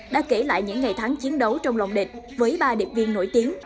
đã kể lại những ngày tháng chiến đấu trong lòng địch với ba điệp viên nổi tiếng